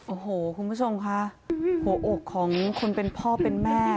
โอ้โหคุณผู้ชมค่ะหัวอกของคนเป็นพ่อเป็นแม่